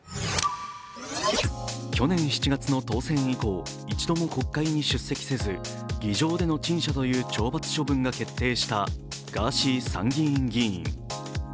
去年７月の当選以降、一度も国会に出席せず議場での陳謝という懲罰処分が決定したガーシー参議院議員。